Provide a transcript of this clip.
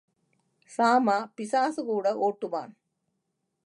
சாமா பிசாசு கூட ஓட்டுவான்.